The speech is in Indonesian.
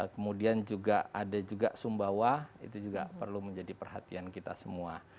kemudian juga ada juga sumbawa itu juga perlu menjadi perhatian kita semua